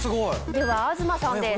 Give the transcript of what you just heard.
では東さんです。